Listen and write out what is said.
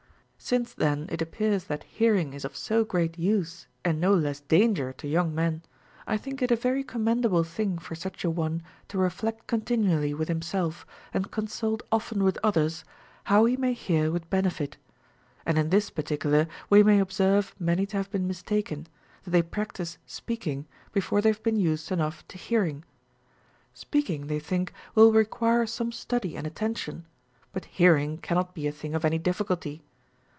3. Since then it appears that hearing is of so great use and no less danger to young men, I think it a very com mendable thing for such a one to reflect continually with himself, and consult often with others, how he may hear Λvith benefit. And in this particular we may observe many to have been mistaken, that they practise speaking befoie they have been used enough to hearing. Speaking they think will require some study and attention, but hearing cannot be a tiling of any difficulty.